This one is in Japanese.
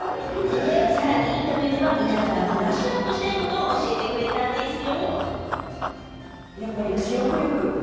さらにインタビューでは、皆さんがブラッシュアップしたいことを教えてくれたんですよ。